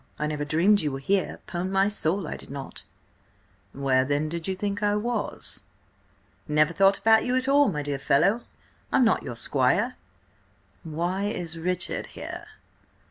I never dreamed you were here— 'Pon my soul, I did not!" "Where then did you think I was?" "Never thought about you at all, my dear fellow. I'm not your squire." "Why is Richard here?"